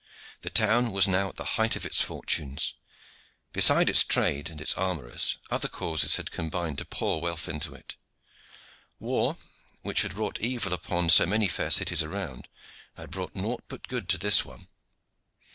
The town was now at the height of its fortunes. Besides its trade and its armorers, other causes had combined to pour wealth into it. War, which had wrought evil upon so many fair cities around, had brought nought but good to this one.